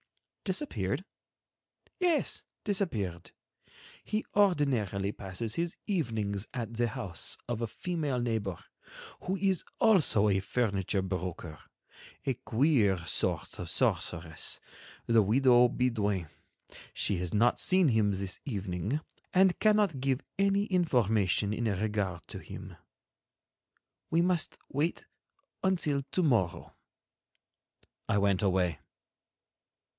"Disappeared?" "Yes, disappeared. He ordinarily passes his evenings at the house of a female neighbor, who is also a furniture broker, a queer sort of sorceress, the widow Bidoin. She has not seen him this evening and cannot give any information in regard to him. We must wait until to morrow." I went away.